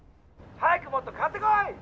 ☎早くもっと買ってこい！